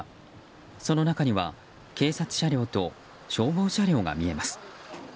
その中には警察車両と消防車両が見えます。